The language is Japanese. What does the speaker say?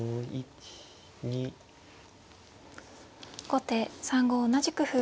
後手３五同じく歩。